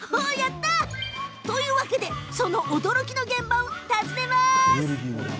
というわけでその驚きの現場をお訪ねします。